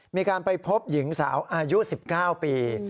มีการไปพบหญิงสาวอายุ๑๙ปี